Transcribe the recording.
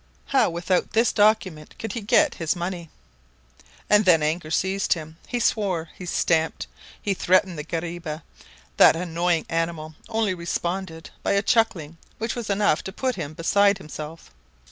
How without this document could he get his money? And then anger seized him. He swore, he stamped, he threatened the guariba. That annoying animal only responded by a chuckling which was enough to put him beside himself.